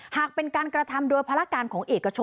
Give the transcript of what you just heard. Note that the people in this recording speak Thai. หากเป็นการกระทำโดยภารการของเอกชน